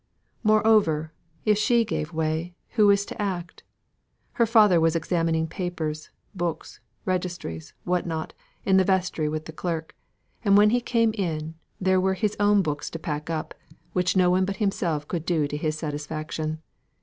Moreover, if she gave way, who was to act? Her father was examining papers, books, registers, what not, in the vestry with the clerk; and when he came in, there were his own books to pack up, which no one but himself could do to his satisfaction.